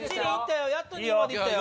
やっと２までいったよ。